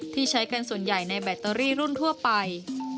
ที่ใช้กันส่วนใหญ่ในแบตเตอรี่รุ่นทั่วไป